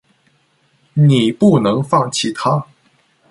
你不能放弃她。